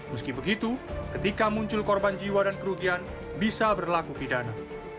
meski begitu ketika muncul korban jiwa dan kerugian bisa berlaku pidana